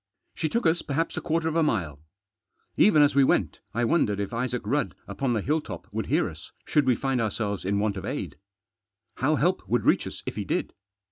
She took us perhaps a quarter of a mile. Even as we went I wondered if Isaac Rudd upon the hill top would hear us should we find ourselves in want of aid. How help would reach us if he did.